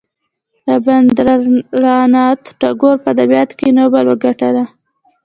رابیندرانات ټاګور په ادبیاتو کې نوبل وګاټه.